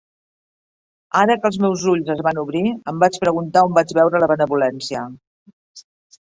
Ara que els meus ulls es van obrir, em vaig preguntar on vaig veure la benevolència.